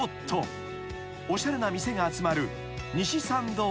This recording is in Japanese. ［おしゃれな店が集まる］